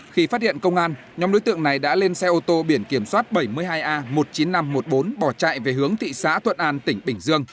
khi phát hiện công an nhóm đối tượng này đã lên xe ô tô biển kiểm soát bảy mươi hai a một mươi chín nghìn năm trăm một mươi bốn bỏ chạy về hướng thị xã thuận an tỉnh bình dương